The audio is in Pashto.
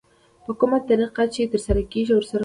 په کومه طريقه چې ترسره کېږي ورسره مخالف وي.